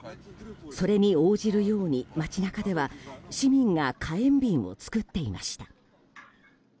それに応じるように街中では市民が火炎瓶を作っていました。